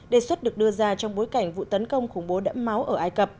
đề xuất được đưa ra trong bối cảnh vụ tấn công khủng bố đẫm máu ở ai cập